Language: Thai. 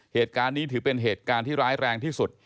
เหตุการณ์นี้ถือเป็นเหตุการณ์ที่ร้ายแรงที่สุด